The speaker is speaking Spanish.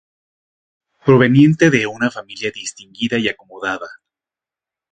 Proveniente de una familia distinguida y acomodada.